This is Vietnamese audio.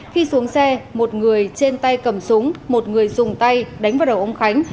khi xuống xe một người trên tay cầm súng một người dùng tay đánh vào đầu ông khánh